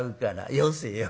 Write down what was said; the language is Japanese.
『よせよ。